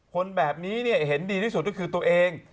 คนแบบนี้เห็นดีที่สุดก็คือตัวเอง